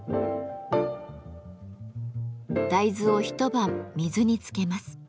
大豆を一晩水につけます。